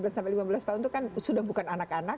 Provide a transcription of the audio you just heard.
lima belas sampai lima belas tahun itu kan sudah bukan anak anak